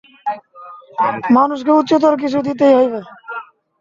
মানুষকে উচ্চতর কিছু দিতে হইবে।